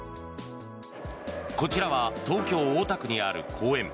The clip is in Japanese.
こちらは東京・大田区にある公園。